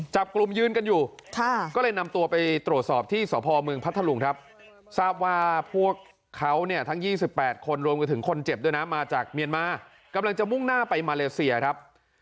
จับกลุ่มยืนกันอยู่ก็เลยนำตัวไปตรวจสอบที่สพเมืองพัทธาลุงครับ